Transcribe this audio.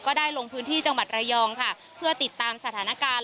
ได้ลงพื้นที่จังหวัดระยองค่ะเพื่อติดตามสถานการณ์